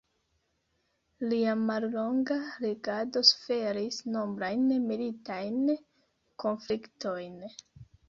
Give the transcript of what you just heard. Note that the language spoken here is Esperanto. Lia mallonga regado suferis nombrajn militajn konfliktojn.